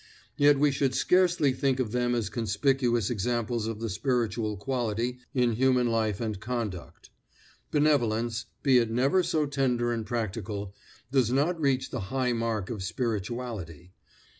Yet we should scarcely think of them as conspicuous examples of the spiritual quality in human life and conduct. Benevolence, be it never so tender and practical, does not reach the high mark of spirituality.